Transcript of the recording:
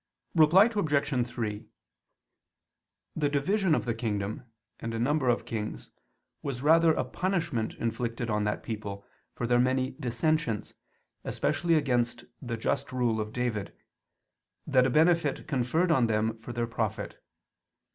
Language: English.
Reply Obj. 3: The division of the kingdom, and a number of kings, was rather a punishment inflicted on that people for their many dissensions, specially against the just rule of David, than a benefit conferred on them for their profit.